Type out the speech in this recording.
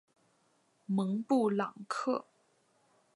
蒙布朗克。